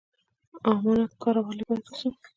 امانت کاره ولې باید اوسو؟